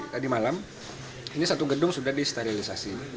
tadi malam ini satu gedung sudah disterilisasi